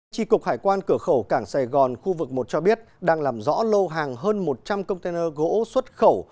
tri cục hải quan cửa khẩu cảng sài gòn khu vực một cho biết đang làm rõ lô hàng hơn một trăm linh container gỗ xuất khẩu